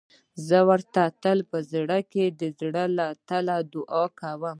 زه ورته تل په زړه کې د زړه له تله دعا کوم.